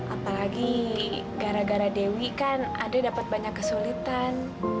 apalagi gara gara dewi kan ade dapat banyak kesulitan